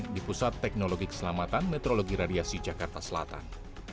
di pusat teknologi keselamatan metrologi radiasi jakarta selatan